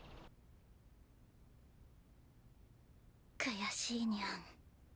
悔しいにゃん。